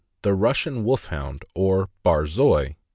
THE RUSSIAN WOLFHOUND, OR BARZOI.